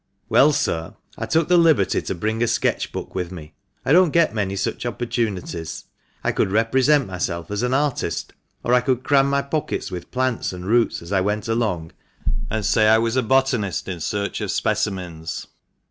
"Well, sir, I took the liberty to bring a sketch book with me — I don't get many such opportunities — I could represent myself as an artist ; or I could cram my pockets with plants and roots as I went along, and say I was a botanist in search of specimens."